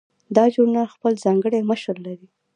دا ژورنال خپل ځانګړی مشر لري.